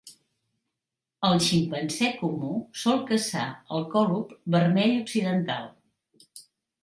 El ximpanzé comú sol caçar el còlob vermell occidental.